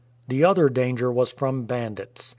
The other clanger was from bandits.